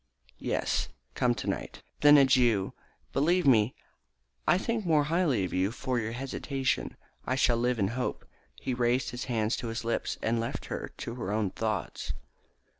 "Yes, come tonight." "Then, adieu. Believe me that I think more highly of you for your hesitation. I shall live in hope." He raised her hand to his lips, and left her to her own thoughts.